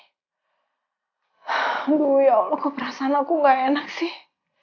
aduh ya allah kok perasaan aku gak enak sih